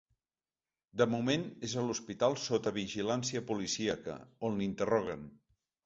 De moment és a l’hospital sota vigilància policíaca, on l’interroguen.